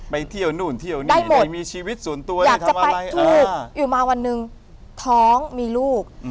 ไปเที่ยวนู่นเที่ยวนี่นี่ได้หมดอยากจะไปถูกอยู่มาวันหนึ่งท้องมีลูก